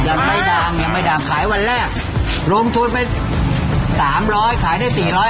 ยังไม่ดังขายวันแรกลงทุนไป๓๐๐ขายได้๔๕๐